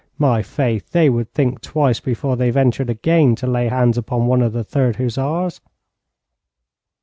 My faith, they would think twice before they ventured again to lay hands upon one of the Third Hussars.